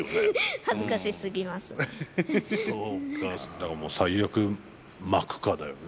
だから最悪まくかだよね。